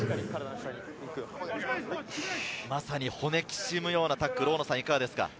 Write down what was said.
まさに骨がきしむようなタックルです。